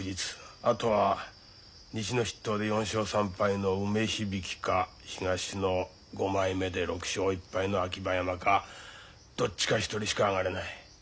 あとは西の筆頭で４勝３敗の梅響か東の五枚目で６勝１敗の秋葉山かどっちか１人しか上がれない。